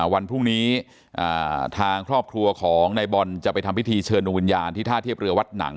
วันพรุ่งนี้ทางครอบครัวของนายบอลจะไปทำพิธีเชิญดวงวิญญาณที่ท่าเทียบเรือวัดหนัง